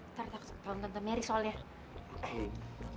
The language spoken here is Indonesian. ntar takut tau tante mary soalnya